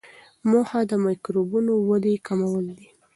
موخه د میکروبونو ودې کمول وي.